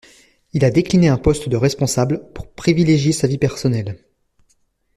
Il a décliné un poste de responsable pour privilégier sa vie personnelle.